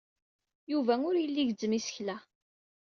Yuba ur yelli igezzem isekla.